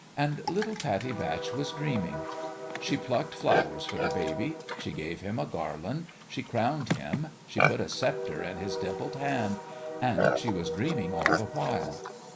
And little Pattie Batch was dream ing ; she plucked flowers for the baby she gave him a garland, she crowned him, she put a sceptre in his dimpled hand and she was dream ing all the while.